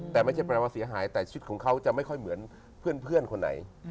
แต่ไม่ใช่แปลว่าเสียหายแต่ชีวิตของเขาจะไม่ค่อยเหมือนเพื่อนคนไหน